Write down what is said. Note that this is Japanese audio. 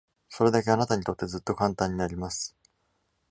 それだけあなたにとってずっと簡単になります。